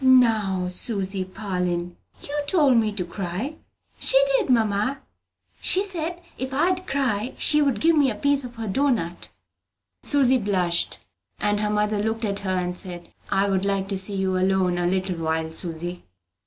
"Now, Susy Parlin, you told me to cry! She did, mamma. She said if I'd cry she'd give me a piece of her doughnut." Susy blushed; and her mother looked at her, and said, "I would like to see you alone a little while, Susy."